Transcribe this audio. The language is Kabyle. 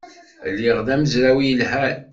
Lliɣ d amezraw yelhan.